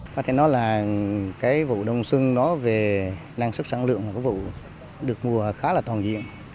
có thể nói là cái vụ đông xuân đó về năng sức sản lượng của vụ được mùa khá là toàn diện